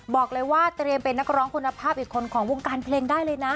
บอกเลยว่าเตรียมเป็นนักร้องคุณภาพอีกคนของวงการเพลงได้เลยนะ